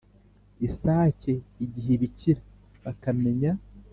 isake igihe ibikira, bakamenya